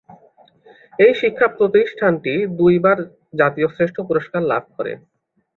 এই শিক্ষা প্রতিষ্ঠানটি দুই বার জাতীয় শ্রেষ্ঠ পুরস্কার লাভ করে।